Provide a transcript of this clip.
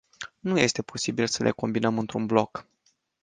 Nu este posibil să le combinăm într-un bloc.